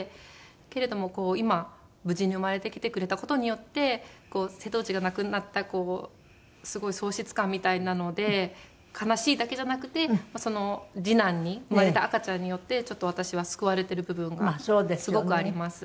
けれどもこう今無事に生まれてきてくれた事によって瀬戸内が亡くなったこうすごい喪失感みたいなので悲しいだけじゃなくて次男に生まれた赤ちゃんによってちょっと私は救われてる部分がすごくあります。